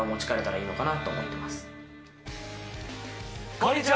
こんにちは